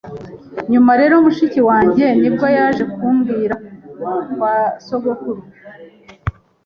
Nyuma rero mushiki wanjye nibwo yaje kubwira kwa sogokuru